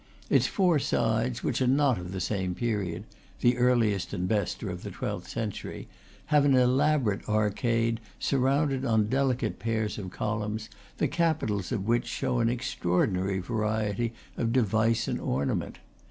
Its four sides, which are not of the same period (the earliest and best are of the twelfth century), have an elaborate arcade, supported on delicate pairs of columns, the capitals of which show an extraordinary variety of device and ornament.